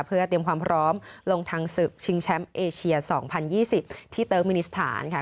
เพื่อเตรียมความพร้อมลงทางศึกชิงแชมป์เอเชีย๒๐๒๐ที่เติร์กมินิสถานค่ะ